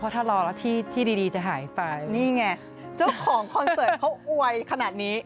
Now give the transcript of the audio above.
ถ้ารอแล้วที่ที่ดีจะหายไปนี่ไงเจ้าของคอนเสิร์ตเขาอวยขนาดนี้